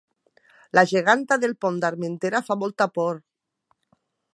La geganta del Pont d'Armentera fa molta por